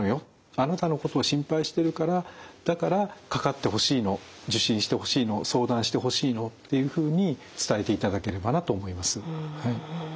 「あなたのことを心配しているからだからかかってほしいの受診してほしいの相談してほしいの」というふうに伝えていただければなと思います。